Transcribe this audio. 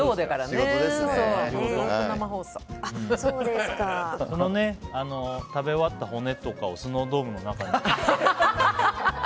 この食べ終わった骨とかをスノードームの中に。